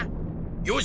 よし！